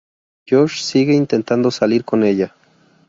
Josh sigue intentando salir con ella.